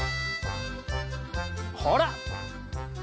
ほら！